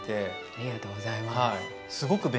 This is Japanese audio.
ありがとうございます。